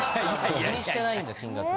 気にしてないんだ金額。